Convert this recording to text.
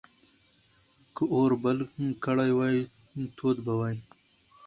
که اور بل کړی وای، تود به وای.